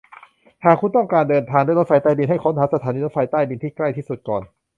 หากคุณต้องการเดินทางด้วยรถไฟใต้ดินให้ค้นหาสถานีรถไฟใต้ดินที่ใกล้ที่สุดก่อน